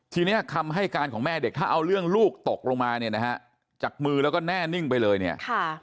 ทีนี้คำให้การของแม่เด็กถ้าเอาเรื่องลูกตกลงมาเนี่ยนะฮะจากมือแล้วก็แน่นิ่งไปเลยเนี่ยค่ะ